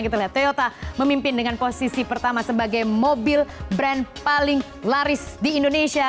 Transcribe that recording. kita lihat toyota memimpin dengan posisi pertama sebagai mobil brand paling laris di indonesia